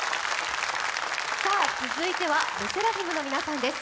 続いてはＬＥＳＳＥＲＡＦＩＭの皆さんです。